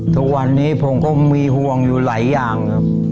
ทุกวันนี้ผมก็มีห่วงอยู่หลายอย่างครับ